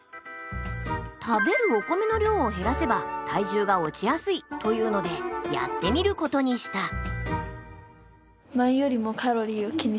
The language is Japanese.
「食べるお米の量を減らせば体重が落ちやすい」というのでやってみることにした。